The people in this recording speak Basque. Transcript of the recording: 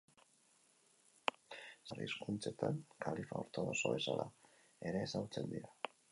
Zenbait europar hizkuntzetan, kalifa ortodoxo bezala ere ezagutzen dira.